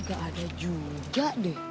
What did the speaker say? gak ada juga deh